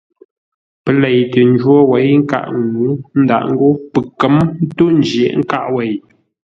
Pə́ lei tə njwó wěi nkâʼ ŋuu, ə́ ndǎʼ ńgó pəkə̌m ntôʼ jə̂ghʼ nkâʼ wêi.